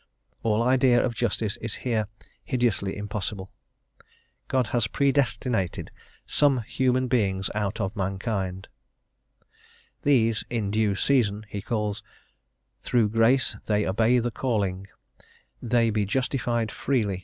All idea of justice is here hideously impossible; God has predestinated some human beings out of mankind. These "in due season" he calls; "through grace they obey the calling;" "they be justified freely...